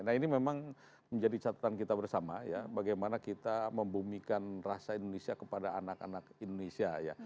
nah ini memang menjadi catatan kita bersama ya bagaimana kita membumikan rasa indonesia kepada anak anak indonesia ya